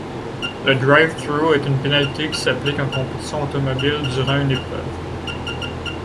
Le drive-through est une pénalité qui s'applique en compétition automobile durant une épreuve.